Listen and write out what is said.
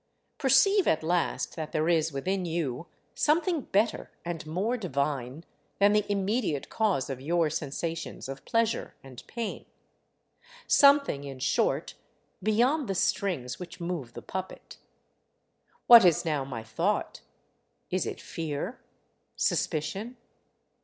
Perceive at last that there is within you something better and more divine than the immediate cause of your sensations of pleasure and pain; something, in short, beyond the strings which move the puppet. What is now my thought? Is it fear? Suspicion?